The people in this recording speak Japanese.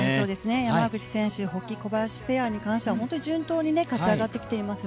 山口選手保木、小林ペアは順当に勝ち上がってきています。